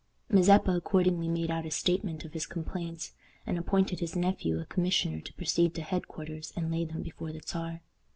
Mazeppa accordingly made out a statement of his complaints, and appointed his nephew a commissioner to proceed to head quarters and lay them before the Czar.